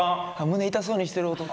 胸痛そうにしてる弟。